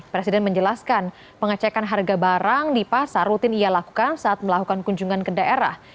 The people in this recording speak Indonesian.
presiden menjelaskan pengecekan harga barang di pasar rutin ia lakukan saat melakukan kunjungan ke daerah